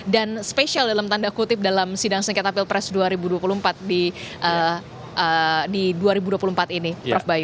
dan spesial dalam tanda kutip dalam sidang senketa pilpres dua ribu dua puluh empat di dua ribu dua puluh empat ini prof bayu